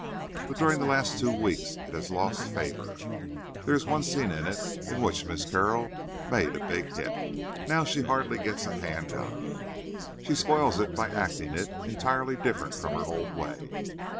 But during the last two weeks it has lost favour. There is one scene in it in which Miss Carroll made a big hit. Now she hardly gets a hand out of it. She spoils it by acting it entirely different from her old way."